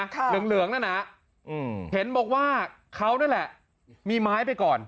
เหลืองเหลืองนั่นน่ะอืมเห็นบอกว่าเขานั่นแหละมีไม้ไปก่อน